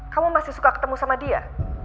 kamu masih suka ketemu sama dia